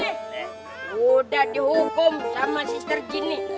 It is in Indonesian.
sudah dihukum sama si terjin ini